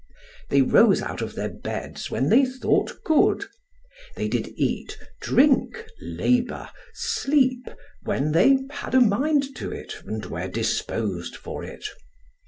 They rose out of their beds when they thought good; they did eat, drink, labour, sleep, when they had a mind to it and were disposed for it.